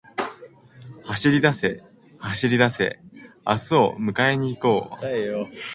走りだせ、走りだせ、明日を迎えに行こう